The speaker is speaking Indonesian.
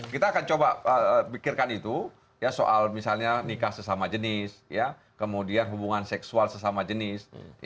kita akan coba pikirkan itu ya soal misalnya nikah sesama jenis kemudian hubungan seksual sesama jenis